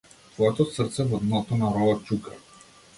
Твоето срце во дното на ровот чука.